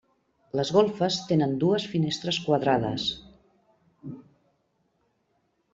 Les golfes tenen dues finestres quadrades.